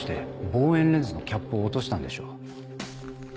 望遠レンズのキャップを落としたんでしょう。